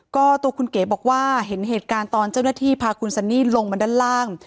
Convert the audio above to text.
ก็ตัวคุณเก๋บอกว่าเห็นเหตุการณ์ตอนเจ้าหน้าที่พาคุณซันนี่ลงมาด้านล่าง